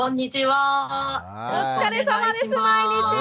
お疲れさまです毎日。